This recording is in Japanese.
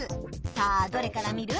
さあどれから見る？